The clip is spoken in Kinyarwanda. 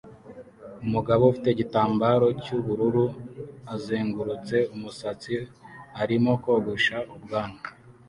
Umugabo ufite igitambaro cy'ubururu azengurutse umusatsi arimo kogosha ubwanwa